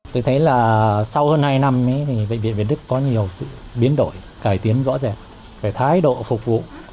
tôi thấy là sau hơn hai năm thì bệnh viện việt đức có nhiều sự biến đổi cải tiến rõ rệt về thái độ phục vụ